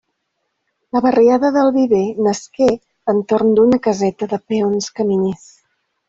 La barriada del Viver nasqué entorn d'una caseta de peons caminers.